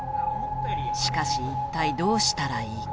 しかし一体どうしたらいいか。